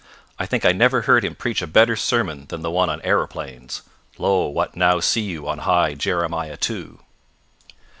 I think I never heard him preach a better sermon than the one on Aeroplanes (Lo, what now see you on high Jeremiah Two).